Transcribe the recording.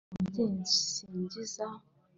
Ko Umubyeyi nsingiza